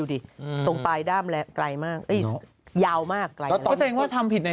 ดิอืมตรงปลายด้ามและไกลมากเอ้ยยาวมากไกลก็แสดงว่าทำผิดใน